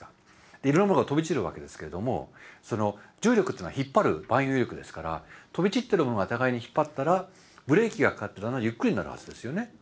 いろいろなものが飛び散るわけですけれども重力っていうのは引っ張る万有引力ですから飛び散ってるものがお互いに引っ張ったらブレーキがかかってだんだんゆっくりになるはずですよね。